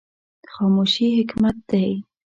خاموشي حکمت دی